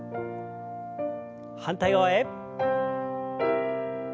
反対側へ。